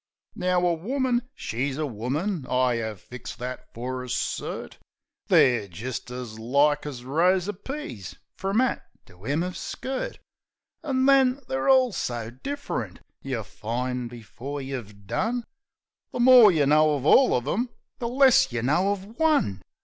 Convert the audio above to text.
Now, a woman, she's a woman. I 'ave fixed that fer a cert. They're jist as like as rows uv peas from 'at to 'em uv skirt. An' then, they're all so different, yeh find, before yeh've done, The more yeh know uv all uv 'em the less yeh know uv one.